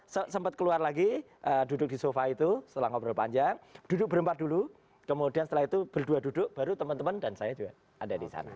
sempat keluar lagi duduk di sofa itu setelah ngobrol panjang duduk berempat dulu kemudian setelah itu berdua duduk baru teman teman dan saya juga ada di sana